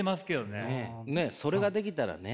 ねっそれができたらね。